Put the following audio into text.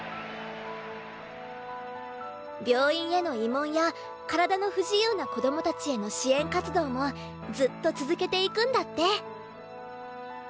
病院への慰問や体の不自由な子供たちへの支援活動もずっと続けていくんだって